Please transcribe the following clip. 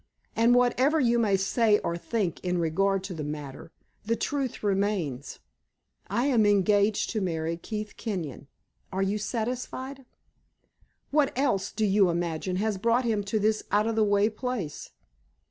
"And whatever you may say or think in regard to the matter, the truth remains I am engaged to marry Keith Kenyon. Are you satisfied? What else, do you imagine, has brought him to this out of the way place?